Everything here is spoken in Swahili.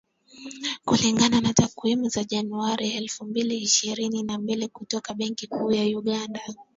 Kulingana na takwimu za Januari elfu mbili ishirini na mbili kutoka Benki Kuu ya Uganda,